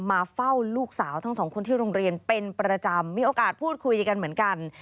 มาเฝ้าลูกสาวทั้งสองคนที่โรงเรียนเป็นประจำมีโอกาสพูดคุยกันเหมือนกัน